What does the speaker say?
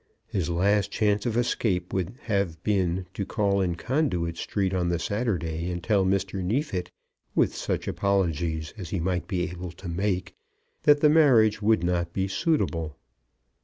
His last chance of escape would have been to call in Conduit Street on the Saturday and tell Mr. Neefit, with such apologies as he might be able to make, that the marriage would not be suitable.